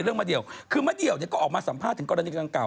คือเมื่อเดียวก็ออกมาสัมภาษณ์ถึงกรณีการเก่า